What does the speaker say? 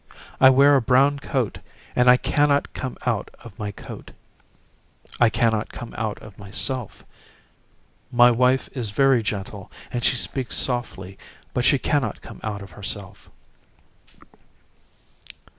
I wear a brown coat and I cannot come out of my coat. I cannot come out of myself. My wife is very gentle and she speaks softly but she cannot come out of herself.